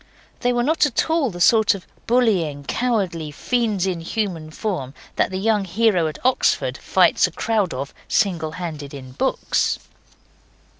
They were not at all the sort of bullying, cowardly fiends in human form that the young hero at Oxford fights a crowd of, single handed, in books.